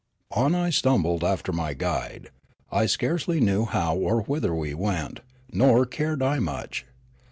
On I stumbled after my guide. I scarcely knew how or whither we went, nor cared I much.